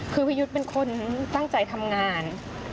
คือพี่ยุทธ์เป็นคนตั้งใจทำงาน